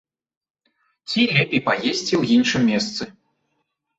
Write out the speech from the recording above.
Ці лепей паесці ў іншым месцы.